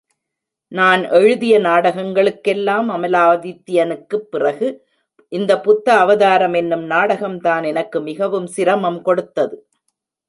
நான் எழுதிய நாடகங்களுக்குளெல்லாம் அமலாதித்யனுக்குப் பிறகு, இந்த புத்த அவதாரம் எனும் நாடகம்தான் எனக்கு மிகவும் சிரமம் கொடுத்தது.